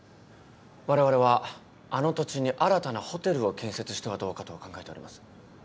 われわれはあの土地に新たなホテルを建設してはどうかと考えております。